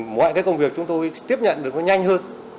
mọi cái công việc chúng tôi tiếp nhận được nó nhanh hơn